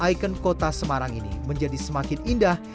ikon kota semarang ini menjadi semakin indah